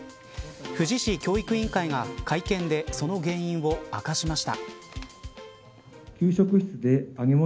富士市教育委員会が会見でその原因を明かしました。